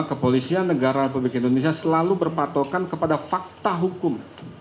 kepolisian negara republik indonesia selalu berpatokan kepada fakta hukum